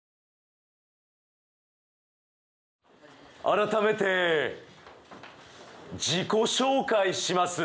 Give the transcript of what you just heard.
改めて自己紹介します。